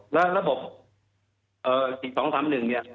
แล้วระบบเอ่อศิลป์สองทั้งหนึ่งเนี้ย